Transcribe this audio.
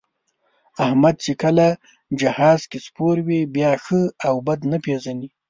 احمد چې کله جهاز کې سپور وي، بیا ښه او بد نه پېژني.